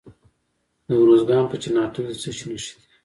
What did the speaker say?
د ارزګان په چنارتو کې د څه شي نښې دي؟